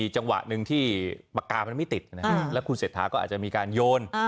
จังหวะหนึ่งที่ปากกามันไม่ติดแล้วคุณเศรษฐาก็อาจจะมีการโยน